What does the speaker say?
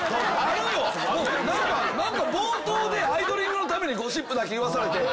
冒頭でアイドリングのためにゴシップだけ言わされてあと全然。